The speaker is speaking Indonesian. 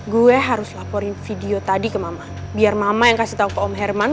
gue harus laporin video tadi ke mama biar mama yang kasih tahu ke om herman